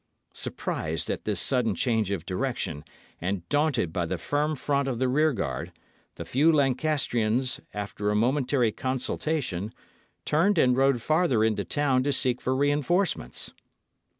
Surprised at this sudden change of direction, and daunted by the firm front of the rear guard, the few Lancastrians, after a momentary consultation, turned and rode farther into town to seek for reinforcements.